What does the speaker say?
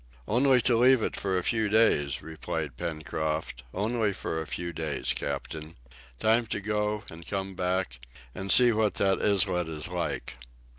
"Only to leave it for a few days," replied Pencroft, "only for a few days, captain. Time to go and come back, and see what that islet is like!"